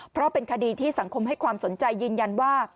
เพราะเป็นคดีที่สังคมให้ความสนใจยืนยันว่า